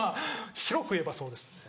広く言えばそうですね。